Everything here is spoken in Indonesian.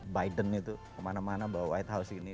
biden itu kemana mana bawa white house ini